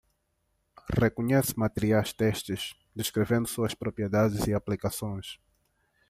Reconhece materiais têxteis, descrevendo suas propriedades e aplicações.